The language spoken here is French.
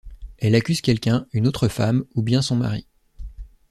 Elle accuse quelqu’un, une autre femme, ou bien Son mari.